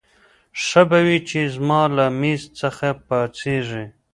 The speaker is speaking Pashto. ښه به وي چې زما له مېز څخه پاڅېږې.